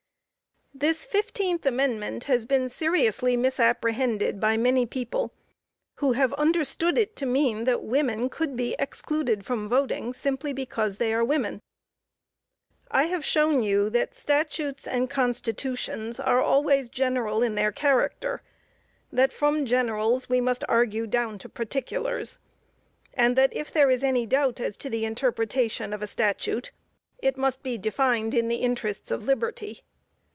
This fifteenth Amendment has been seriously misapprehended by many people, who have understood it to mean that women could be excluded from voting, simply because they are women. I have shown you that Statutes and Constitutions are always general in their character; that from generals we must argue down to particulars, and that if there is any doubt as to the interpretation of a statute, it must be defined in the interests of liberty.